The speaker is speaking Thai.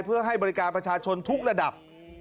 เพื่อให้บริการประชาชนทุกระดับ